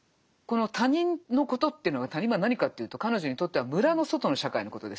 この「他人のこと」というのが「他人」は何かというと彼女にとっては村の外の社会のことですよね。